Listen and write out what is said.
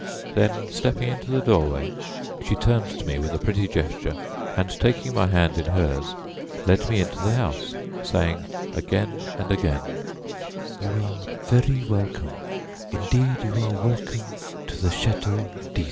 Then stepping into the doorway she turned to me with a pretty gesture and, taking my hand in hers, led me into the house, saying again and again: "You are very welcome, indeed you are welcome to the Château d'Ys."